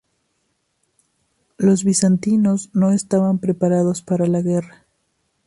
Los bizantinos no estaban preparados para la guerra.